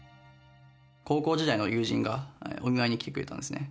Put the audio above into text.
高校時代の友人がお見舞いに来てくれたんですね。